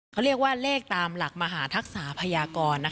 เขาเรียกว่าเลขตามหลักมหาทักษะพยากร